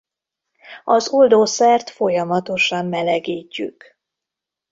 Az oldószert folyamatosan melegítjük.